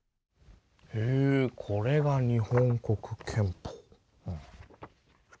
へえこれが日本国憲法？